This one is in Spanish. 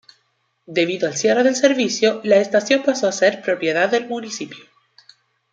Debido al cierre del servicio, la estación pasó a ser propiedad del municipio.